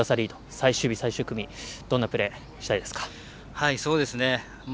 最終日、最終組どんなプレーしたいですか？